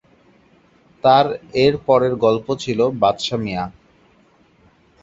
তার এর পরের গল্প ছিল 'বাদশা মিঞা'।